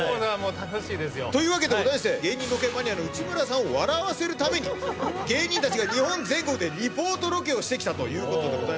楽しいですよ。というわけでございまして芸人ロケマニアの内村さんを笑わせるために芸人たちが日本全国でリポートロケをしてきたという。